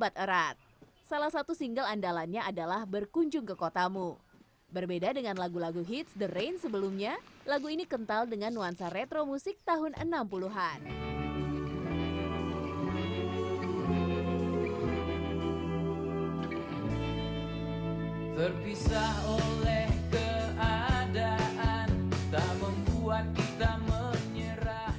terpisah oleh keadaan tak membuat kita menyerah